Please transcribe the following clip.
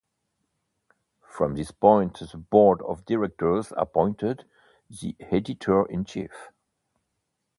From this point, the board of directors appointed the editor-in-chief.